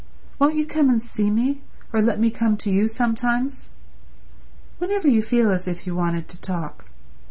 "Won't you come and see me, or let me come to you sometimes? Whenever you feel as if you wanted to talk.